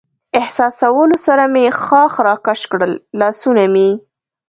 احساسولو سره مې ښاخ را کش کړل، لاسونه مې.